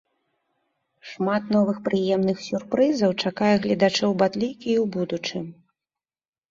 Шмат новых прыемных сюрпрызаў чакае гледачоў батлейкі і ў будучым.